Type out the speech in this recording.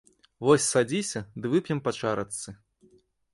Вось садзіся ды вып'ем па чарачцы.